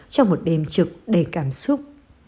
trong một đêm trực đầy cảm xúc